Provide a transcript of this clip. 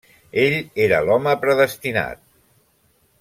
Ell era l'home predestinat.